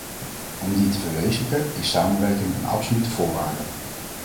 Om die te verwezenlijken is samenwerking een absolute voorwaarde.